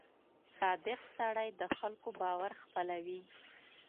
• صادق سړی د خلکو باور خپلوي.